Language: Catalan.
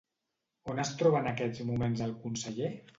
On es troba en aquests moments el conseller?